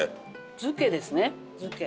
漬けですね漬け。